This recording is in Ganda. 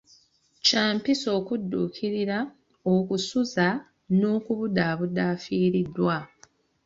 Kya mpisa okudduukirira, okusuza n'okubudaabuda afiiriddwa.